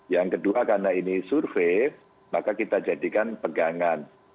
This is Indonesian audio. yang kedua karena ini survei maka kita jadikan pegangan